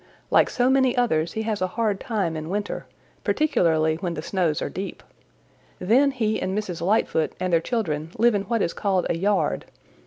"Like so many others he has a hard time in winter, particularly when the snows are deep. Then he and Mrs. Lightfoot and their children live in what is called a yard.